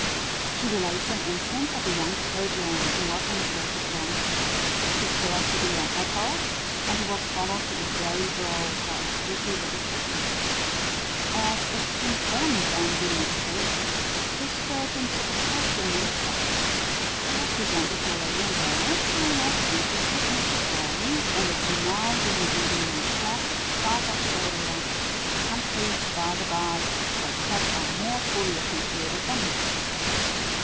She relates an instance of a young surgeon, who was on his way to join his ship, to sail to the antipodes, and who was followed to the very boat by a pretty little kitten. As it seemed bent on being a sailor, the surgeon put the poor thing in his pocket. It was presented to a lady on board, who was interested in its story, and is now doing duty among the cats of South Australia, a country, by the bye, where cats are more fully appreciated than here.